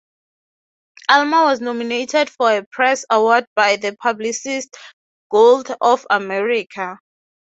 Ulmer was nominated for a Press Award by the Publicists Guild of America.